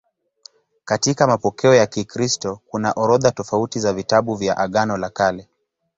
Katika mapokeo ya Kikristo kuna orodha tofauti za vitabu vya Agano la Kale.